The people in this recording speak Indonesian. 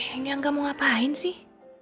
eh ini yang gak mau ngapain sih